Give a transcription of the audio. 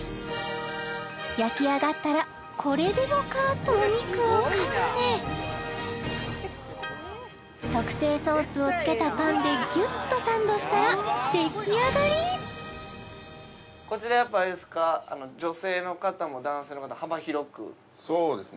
焼き上がったらこれでもかとお肉を重ね特製ソースをつけたパンでギュッとサンドしたらできあがりこちらやっぱあれですか女性の方も男性の方幅広くそうですね